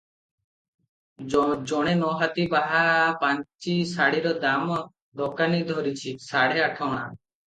ଖଣ୍ଡେ ନ'ହାତି ବାହା ପାଞ୍ଚି ଶାଢ଼ୀର ଦାମ ଦୋକାନି ଧରିଛି ସାଢେ ଆଠଅଣା ।